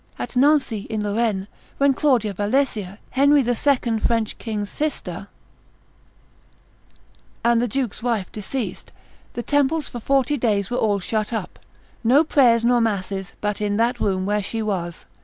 At Nancy in Lorraine, when Claudia Valesia, Henry the Second French king's sister, and the duke's wife deceased, the temples for forty days were all shut up, no prayers nor masses, but in that room where she was.